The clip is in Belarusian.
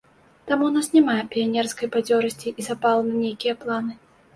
Таму ў нас няма піянерскай бадзёрасці і запалу на нейкія планы.